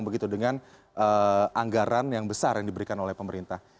begitu dengan anggaran yang besar yang diberikan oleh pemerintah